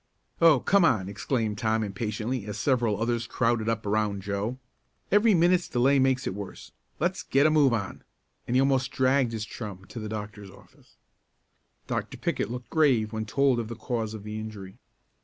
"Oh, come on!" exclaimed Tom impatiently as several others crowded up around Joe. "Every minute's delay makes it worse. Let's get a move on," and he almost dragged his chum to the doctor's office. Dr. Pickett looked grave when told of the cause of the injury.